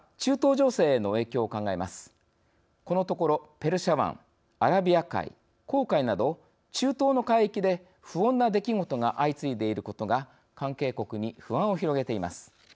このところ、ペルシャ湾アラビア海、紅海など中東の海域で、不穏な出来事が相次いでいることが関係国に不安を広げています。